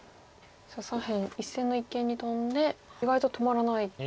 左辺１線の一間にトンで意外と止まらない。